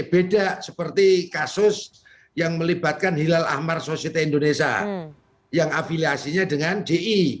beda seperti kasus yang melibatkan hilal ahmad sosite indonesia yang afiliasinya dengan ji